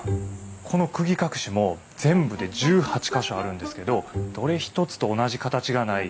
この釘隠しも全部で１８か所あるんですけどどれ一つと同じ形がない一点物なんですよ。